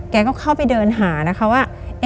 แกก็เข้าไปเดินหานะคะว่า